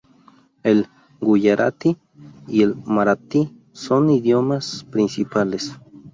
El guyaratí y el maratí son los idiomas principales.